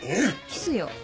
キスよ。